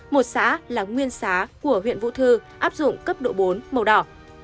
một xã là nguyên xá của huyện vũ thư áp dụng cấp độ bốn màu đỏ